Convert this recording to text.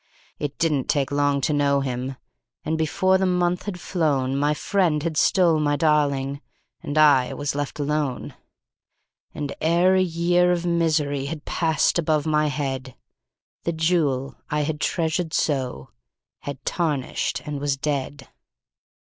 "It didn't take long to know him, and before the month had flown My friend had stole my darling, and I was left alone; And ere a year of misery had passed above my head, The jewel I had treasured so had tarnished and was dead.